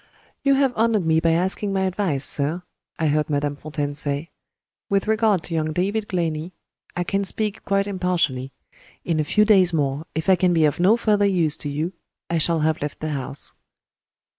"You have honored me by asking my advice, sir," I heard Madame Fontaine say. "With regard to young David Glenney, I can speak quite impartially. In a few days more, if I can be of no further use to you, I shall have left the house."